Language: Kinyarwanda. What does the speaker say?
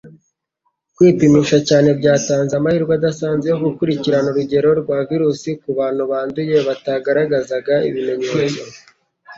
Kwipimisha cyane byatanze amahirwe adasanzwe yo gukurikirana urugero rwa virusi ku bantu banduye bataragaragaza ibimenyetso